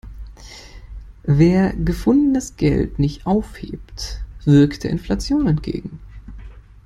Wer gefundenes Geld nicht aufhebt, wirkt der Inflation entgegen.